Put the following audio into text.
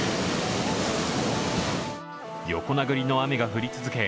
横殴りの雨が降り続け